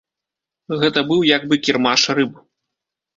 Гэта быў як бы кірмаш рыб.